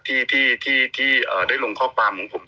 ที่ได้ลงข้อความของผม